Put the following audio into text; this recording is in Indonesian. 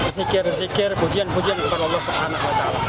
zikir zikir pujian pujian kepada allah swt